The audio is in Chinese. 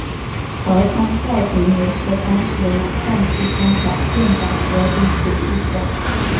朝仓孝景也是当时武将之中少见的合理主义者。